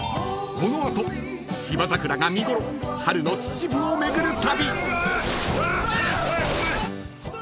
［この後芝桜が見頃春の秩父を巡る旅］